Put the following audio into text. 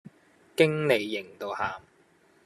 經理型到喊